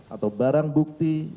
atau barang bukti